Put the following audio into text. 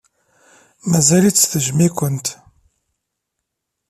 Mazal-itt tejjem-ikent.